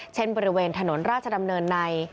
เช่นบริเวณถนนราชดำเนินใน